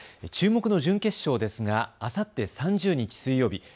注目の準決勝ですがあさって３０日水曜日。